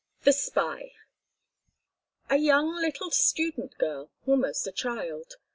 THE SPY A young little student girl—almost a child.